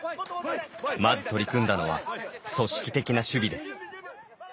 まず取り組んだのは組織的な守備です。